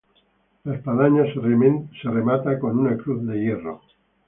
La espadaña se remata con una cruz de hierro.